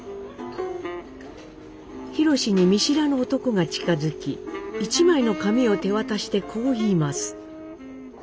宏に見知らぬ男が近づき一枚の紙を手渡してこう言います。